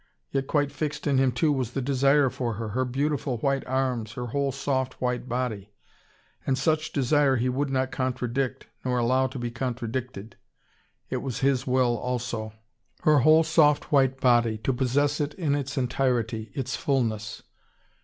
Yet quite fixed in him too was the desire for her, her beautiful white arms, her whole soft white body. And such desire he would not contradict nor allow to be contradicted. It was his will also. Her whole soft white body to possess it in its entirety, its fulness.